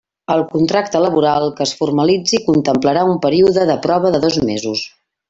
El contracte laboral que es formalitzi contemplarà un període de prova dos mesos.